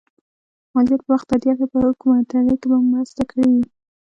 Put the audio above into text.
مالیات په وخت تادیه کړئ په ښه حکومتدارۍ کې به مو مرسته کړي وي.